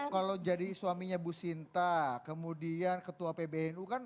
kalau jadi suaminya bu sinta kemudian ketua pbnu kan ya paling yang ngatur gitu gitu aja